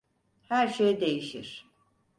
Her şey değişir.